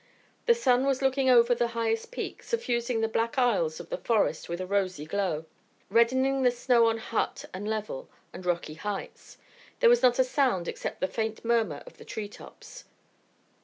The sun was looking over the highest peak, suffusing the black aisles of the forest with a rosy glow, reddening the snow on hut and level and rocky heights. There was not a sound except the faint murmur of the treetops.